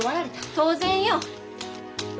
当然よ。